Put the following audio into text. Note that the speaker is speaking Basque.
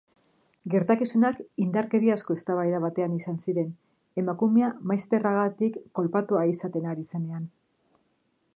Gertakizunak indarkeriazko eztabaida batean izan ziren, emakumea maizterragatik kolpatua izaten ari zenean.